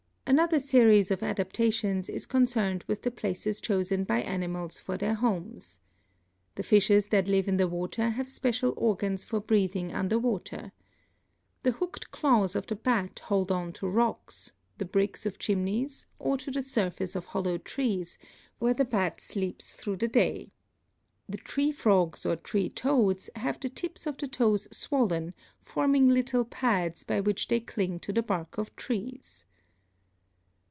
Another series of adaptations is concerned with the places chosen by animals for their homes. The fishes that live in the water have special organs for breathing under water. The hooked claws of the bat hold on to rocks, the bricks of chimneys or to the surface of hollow trees, where the bat sleeps through the day. The tree frogs or tree toads have the tips of the toes swollen, forming little pads by which they cling to the bark of trees.